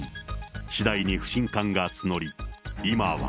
次第に不信感が募り、今は。